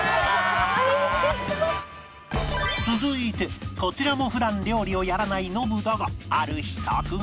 続いてこちらも普段料理をやらないノブだがある秘策が